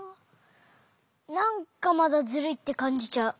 なんかまだズルいってかんじちゃう。